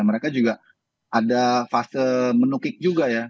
mereka juga ada fase menukik juga ya